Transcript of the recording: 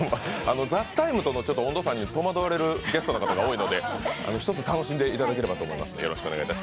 「ＴＨＥＴＩＭＥ，」との温度差に戸惑われるゲストの方が多いので、１つ、楽しんでいただければと思いますので。